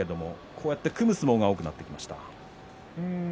こうやって組む相撲が多くなってきましたね。